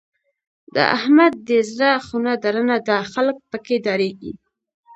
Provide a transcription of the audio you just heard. د احمد دی زړه خونه درنه ده؛ خلګ په کې ډارېږي.